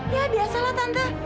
ya biasalah tante